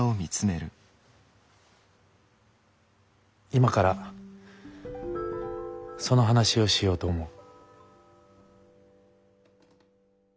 今からその話をしようと思う。